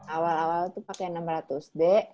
awal awal tuh pake enam ratus d